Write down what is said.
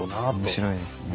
面白いですね。